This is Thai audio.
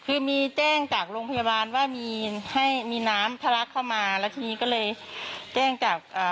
คือมีแจ้งจากโรงพยาบาลว่ามีให้มีน้ำทะลักเข้ามาแล้วทีนี้ก็เลยแจ้งจากอ่า